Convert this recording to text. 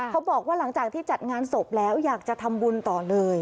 หลังจากที่จัดงานศพแล้วอยากจะทำบุญต่อเลย